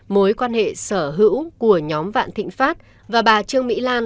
mối quan hệ sở hữu của nhóm vạn thịnh pháp và bà trương mỹ lan